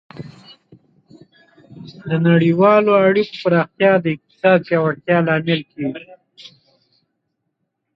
د نړیوالو اړیکو پراختیا د اقتصاد پیاوړتیا لامل کیږي.